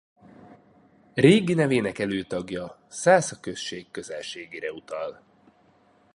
Régi nevének előtagja Szásza község közelségére utal.